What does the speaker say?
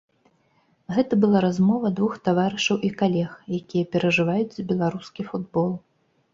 Гэта была размова двух таварышаў і калег, якія перажываюць за беларускі футбол.